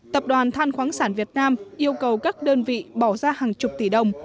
tập đoàn than khoáng sản việt nam yêu cầu các đơn vị bỏ ra hàng chục tỷ đồng